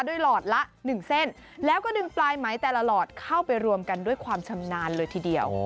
หลอดละ๑เส้นแล้วก็ดึงปลายไหมแต่ละหลอดเข้าไปรวมกันด้วยความชำนาญเลยทีเดียว